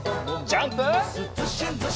ジャンプ！